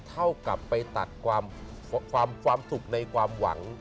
เท่ากับไปตัดความสุขในความหวัง